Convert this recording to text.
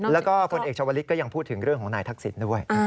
แล้วก็พลเอกชาวลิศก็ยังพูดถึงเรื่องของนายทักษิณด้วย